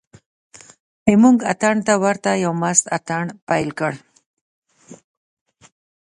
زموږ اتڼ ته ورته یو مست اتڼ پیل کړ.